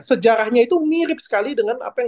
sejarahnya itu mirip sekali dengan apa yang